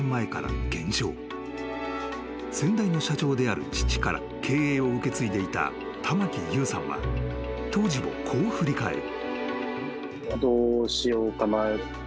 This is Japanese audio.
［先代の社長である父から経営を受け継いでいた玉城悠さんは当時をこう振り返る］